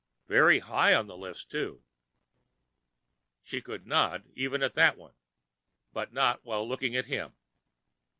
Very high on the list, too!" She could nod even at that one, but not while looking at him.